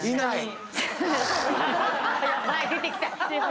前出てきた。